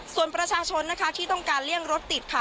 ส่วนประชาชนนะคะที่ต้องการเลี่ยงรถติดค่ะ